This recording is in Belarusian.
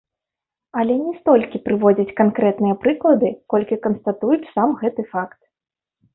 Але не столькі прыводзяць канкрэтныя прыклады, колькі канстатуюць сам гэты факт.